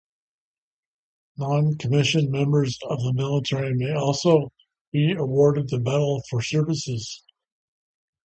Non-commissioned members of the military may also be awarded the medal for services.